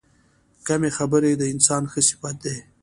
کمې خبرې، د انسان ښه صفت دی.